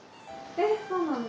えそうなんだ。